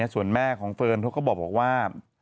ส่วนแม่ของเฟิร์นเขาก็บอกว่า